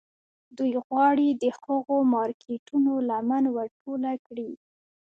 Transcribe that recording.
دوی غواړي د هغو مارکيټونو لمن ور ټوله کړي.